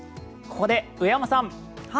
ここで上山さん